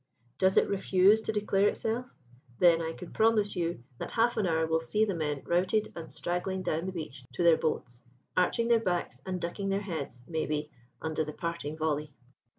Does it refuse to declare itself? Then I can promise you that half an hour will see the men routed and straggling down the beach to their boats, arching their backs and ducking their heads, may be, under the parting volley.